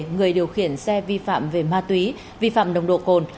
người điều khiển xe vi phạm về ma túy vi phạm nồng độ cồn